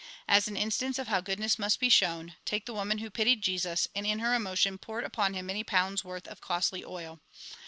As an instance of how goodness must be shown, take the woman who pitied Jesus, and in her emotion poured upon him many pounds' worth of costly oil.